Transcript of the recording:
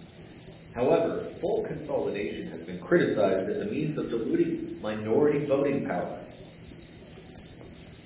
However, full consolidation has been criticized as a means of diluting minority voting power.